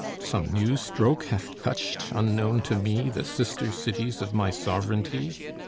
Some new stroke hath touched, unknown to me, The sister cities of my sovranty?